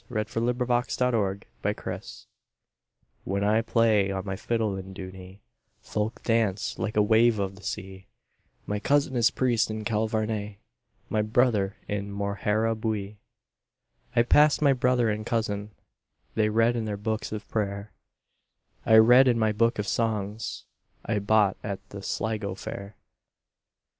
1899. 11. The Fiddler of Dooney WHEN I play on my fiddle in Dooney, Folk dance like a wave of the sea; My cousin is priest in Kilvarnet, My brother in Moharabuiee.I passed my brother and cousin:They read in their books of prayer;I read in my book of songsI bought at the Sligo fair.